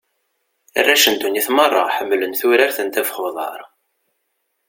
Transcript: Arrac n ddunit merra, ḥemmlen turart n ddabax n uḍar.